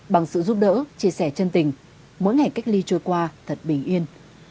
bằng sự giúp đỡ chia sẻ chân tình mỗi ngày cách ly trôi qua thật bình yên